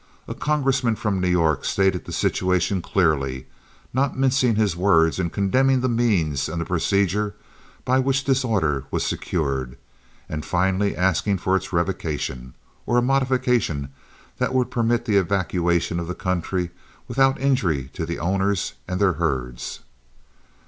A congressman from New York stated the situation clearly, not mincing his words in condemning the means and procedure by which this order was secured, and finally asking for its revocation, or a modification that would permit the evacuation of the country without injury to the owners and their herds.